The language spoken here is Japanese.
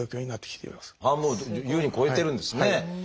半分を優に超えてるんですね。